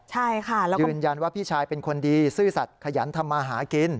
ใช่ค่ะแล้วก็ยืนยันว่าพี่ชายเป็นคนดีซื่อสัตว์ขยันทำมาหากิน